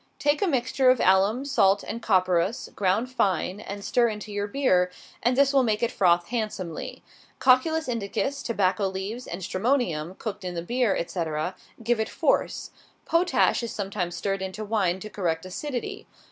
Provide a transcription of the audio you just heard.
Take a mixture of alum, salt, and copperas, ground fine, and stir into your beer, and this will make it froth handsomely. Cocculus indicus, tobacco leaves, and stramonium, cooked in the beer, etc., give it force. Potash is sometimes stirred into wine to correct acidity.